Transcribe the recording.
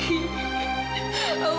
ya sih aku knows